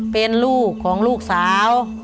เป็นลูกของลูกสาว